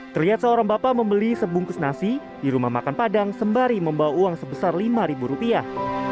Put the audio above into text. terlihat seorang bapak membeli sebungkus nasi di rumah makan padang sembari membawa uang sebesar lima rupiah